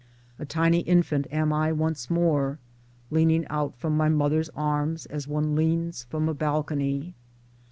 A tiny infant am I once more, leaning out from my mother's arms as one leans from a balcony.